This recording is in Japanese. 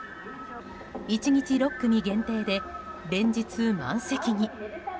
１日６組限定で連日、満席に。